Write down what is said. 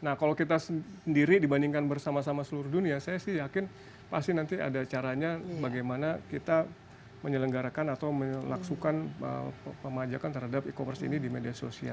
nah kalau kita sendiri dibandingkan bersama sama seluruh dunia saya sih yakin pasti nanti ada caranya bagaimana kita menyelenggarakan atau melaksukan pemajakan terhadap e commerce ini di media sosial